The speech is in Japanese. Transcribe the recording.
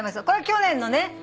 これ去年のね。